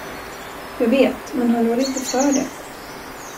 Jag vet, men han rår inte för det.